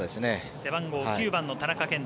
背番号９番の田中健太